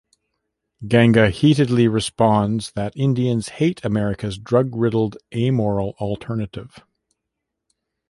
Ganga heatedly responds that Indians hate America's drug-riddled, amoral alternative.